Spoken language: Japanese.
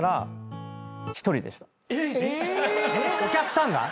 えっ⁉お客さんが⁉